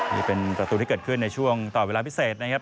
นี่เป็นประตูที่เกิดขึ้นในช่วงต่อเวลาพิเศษนะครับ